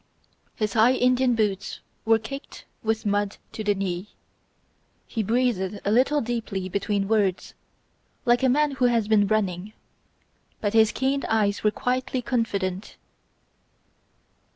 His high Indian boots were caked with mud to the knee; he breathed a little deeply between words, like a man who has been running; but his keen eyes were quietly confident.